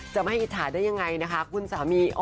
จะไม่อิจฉาได้ยังไงนะคะคุณสามี